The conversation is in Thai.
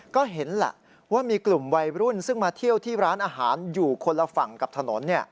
ก็เห็นแหละว่ามีกลุ่มวัยรุ่นซึ่งมาเที่ยวที่ร้านอาหารอยู่คนละฝั่งกับถนน